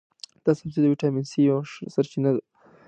دا سبزی د ویټامین سي یوه ښه سرچینه ده.